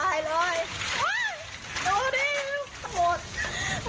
หมดเลยต้องมาเลยแอ๊ะ